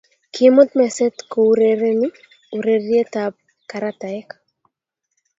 Kiimut meset kourereni ureriet ab karataek